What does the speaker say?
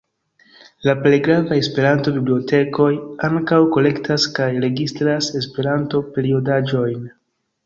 La plej gravaj Esperanto-bibliotekoj ankaŭ kolektas kaj registras Esperanto-periodaĵojn.